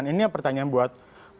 ini pertanyaan buat